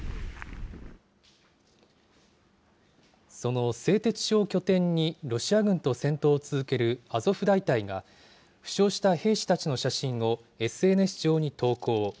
その製鉄所を拠点に、ロシア軍と戦闘を続けるアゾフ大隊が、負傷した兵士たちの写真をＳＮＳ上に投稿。